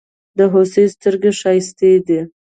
د هوسۍ ستړگي ښايستې دي.